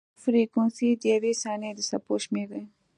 فریکونسي د یوې ثانیې د څپو شمېر دی.